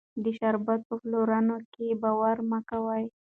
د شربت په پلورونکو باور مه کوئ.